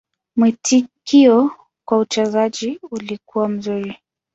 Mwitikio kwa uchezaji ulikuwa mzuri.